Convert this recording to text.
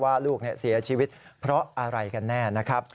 ว่าลูกเสียชีวิตเพราะอะไรกันแน่นะครับ